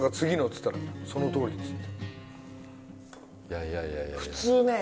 っつったら「そのとおり」っつって。